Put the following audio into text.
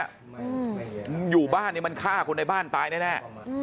มันอยู่บ้านเนี่ยมันฆ่าคนในบ้านตายแน่